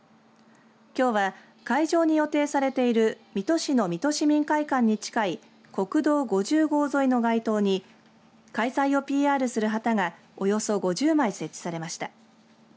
きょうは会場に予定されている水戸市の水戸市民会館に近い国道５０号沿いの街灯に開催をＰＲする旗がおよそ５０枚設置されました。